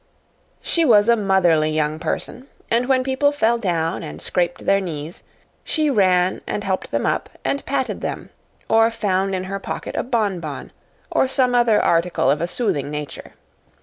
She was a motherly young person, and when people fell down and scraped their knees, she ran and helped them up and patted them, or found in her pocket a bonbon or some other article of a soothing nature.